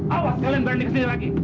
awas kalian berani ke sini lagi